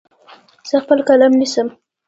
زه خپل قلم نیسم.